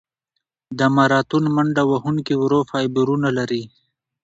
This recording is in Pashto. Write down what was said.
د ماراتون منډهوهونکي ورو فایبرونه لري.